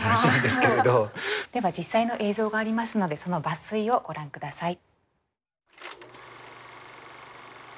では実際の映像がありますのでその抜粋をご覧下さい。